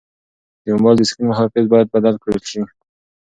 د موبایل د سکرین محافظ باید بدل کړل شي.